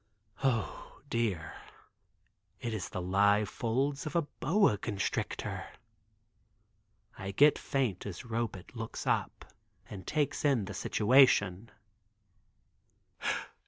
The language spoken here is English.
O, dear, it is the live folds of a boa constrictor. I get faint as Robet looks up and takes in the situation.